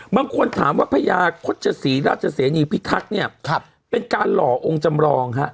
บางคนถามว่าพญาคตชศรีราชเสนีพิทักษ์เนี่ยเป็นการหล่อองค์จำรองฮะ